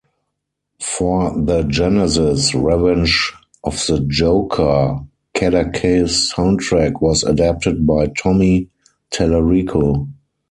For the Genesis "Revenge of the Joker", Kodaka's soundtrack was adapted by Tommy Tallarico.